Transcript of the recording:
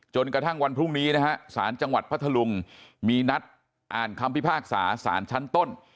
จนกระทั่งวันพรุ่งนี้นะฮะสารจังหวัดพัทธลุงมีนัดอ่านคำพิพากษาสารชั้นต้น